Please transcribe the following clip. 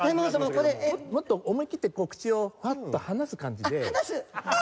もっと思いきって口をフワッと離す感じで。